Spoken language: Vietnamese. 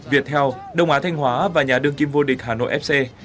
việt theo đông á thanh hóa và nhà đương kim vô địch hà nội fc